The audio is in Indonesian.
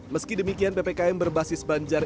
meski demikian ppkm berbasis banjar